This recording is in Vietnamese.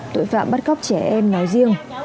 tội phạm bắt cóc trẻ em nói riêng